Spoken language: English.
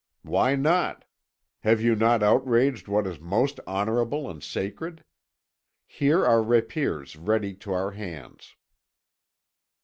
"'Why not? Have you not outraged what is most honourable and sacred? Here are rapiers ready to our hands.'